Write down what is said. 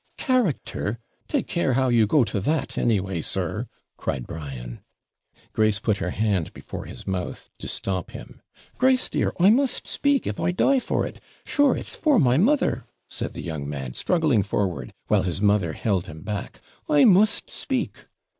'Character! take care how you go to that, anyway, sir,' cried Brian. Grace put her hand before his mouth, to stop him. 'Grace, dear, I must speak, if I die for it; sure it's for my mother,' said the young man, struggling forward, while his mother held him back; 'I must speak.'